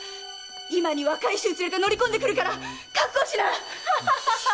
いまに若い衆連れて乗り込んでくるから覚悟しな！